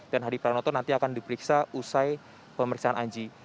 hadi pranoto nanti akan diperiksa usai pemeriksaan anji